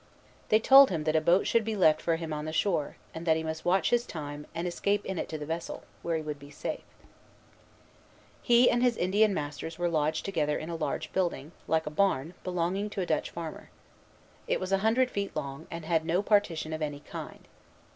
They told him that a boat should be left for him on the shore, and that he must watch his time, and escape in it to the vessel, where he would be safe. Buteux, Narré, MS. He and his Indian masters were lodged together in a large building, like a barn, belonging to a Dutch farmer. It was a hundred feet long, and had no partition of any kind.